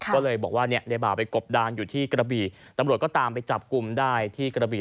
ก็เลยบอกว่าเนี่ยในบ่าวไปกบดานอยู่ที่กระบี่ตำรวจก็ตามไปจับกลุ่มได้ที่กระบี่